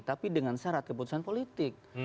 tapi dengan syarat keputusan politik